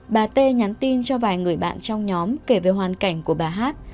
bà t nhắn tin cho vài người bạn trong nhóm kể về hoàn cảnh của bà hát